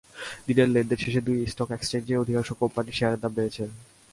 দিনের লেনদেন শেষে দুই স্টক এক্সচেঞ্জেই অধিকাংশ কোম্পানির শেয়ারের দাম বেড়েছে।